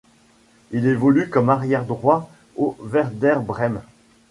Il évolue comme arrière droit au Werder Brême.